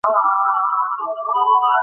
তোর মাথা ঠিক আছে?